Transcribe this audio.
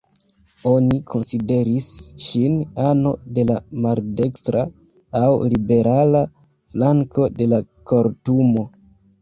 Oni konsideris ŝin ano de la "maldekstra" aŭ "liberala" flanko de la Kortumo.